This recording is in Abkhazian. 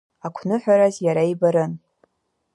Ақәныҳәараз иара ибарын.